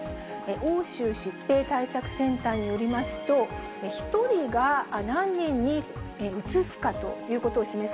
欧州疾病対策センターによりますと、１人が何人にうつすかということを示す